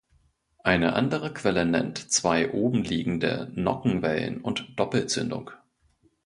Eine andere Quelle nennt zwei obenliegende Nockenwellen und Doppelzündung.